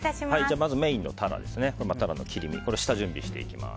まずメインのタラの切り身下準備していきます。